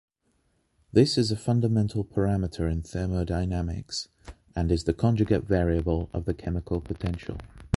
This is a fundamental parameter in thermodynamics, and is the conjugate variable of the chemical potential.